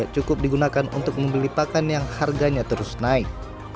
cukup digunakan untuk membeli pakan yang harganya terus naik